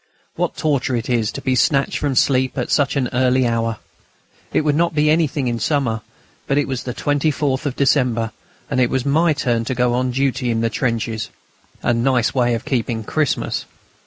What torture it is to be snatched from sleep at such an early hour! It would not be anything in summer; but it was the 24th of December, and it was my turn to go on duty in the trenches. A nice way of keeping Christmas!...